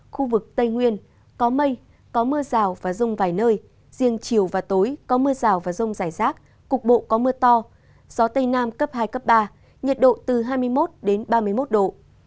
khu vực tây nguyên có mây có mưa rào và rông vài nơi riêng chiều và tối có mưa rào và rông rải rác cục bộ có mưa to gió tây nam cấp hai cấp ba nhiệt độ từ hai mươi một đến ba mươi một độ